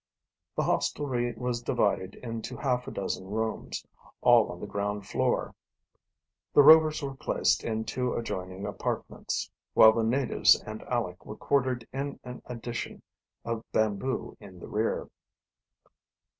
The hostelry was divided into half a dozen rooms, all on the ground floor. The Rovers were placed in two adjoining apartments, while the natives and Aleck were quartered in an addition of bamboo in the rear.